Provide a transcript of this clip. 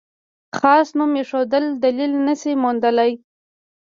خاص نوم ایښودل دلیل نه شي موندلای.